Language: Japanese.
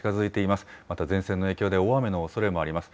また前線の影響で大雨のおそれもあります。